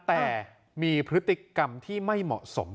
แต่มีพฤติกรรมที่ไม่เหมาะสม